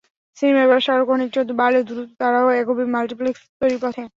সিনেমার ব্যবসা আরও খানিকটা বাড়লে দ্রুত তারাও এগোবে মাল্টিপ্লেক্স তৈরির পথে।